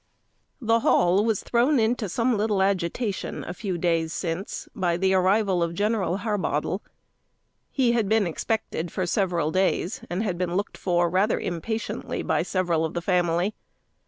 The Hall was thrown into some little agitation, a few days since, by the arrival of General Harbottle. He had been expected for several days, and had been looked for rather impatiently by several of the family.